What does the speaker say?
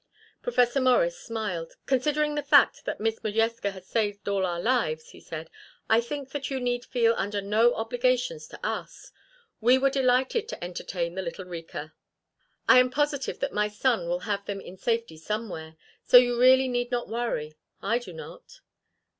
Professor Morris smiled. "Considering the fact that Miss Modjeska has saved all our lives," he said, "I think that you need feel under no obligations to us. We were delighted to entertain the little Rika. I am positive that my son will have them in safety somewhere, so you really need not worry. I do not."